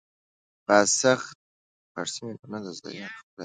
پاسخ تنجشی، واکنش تنجشی